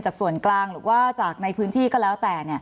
จากส่วนกลางหรือในพื้นที่ก็แล้วแต่